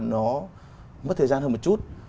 nó mất thời gian hơn một chút